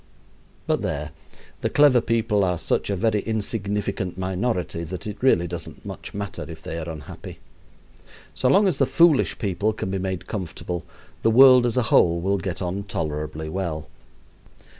But there, the clever people are such a very insignificant minority that it really doesn't much matter if they are unhappy. So long as the foolish people can be made comfortable the world, as a whole, will get on tolerably well.